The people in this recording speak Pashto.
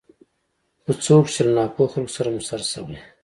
خو څه وکړو چې له ناپوهه خلکو سره مو سر شوی.